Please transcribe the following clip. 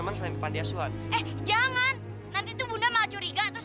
kayaknya aku gak mati deh